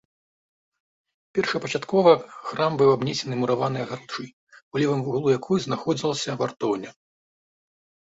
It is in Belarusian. Першапачаткова храм быў абнесены мураванай агароджай, у левым вуглу якой знаходзілася вартоўня.